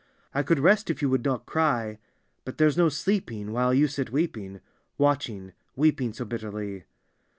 " I could rest if you would not cry, But there's no sleeping while you sit weeping Watching, weeping so bitterly."